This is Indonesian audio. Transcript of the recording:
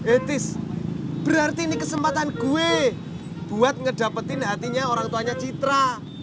etis berarti ini kesempatan gue buat ngedapetin hatinya orang tuanya citra